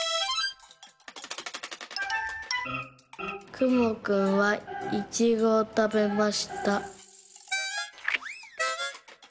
「くもくんはイチゴをたべました」。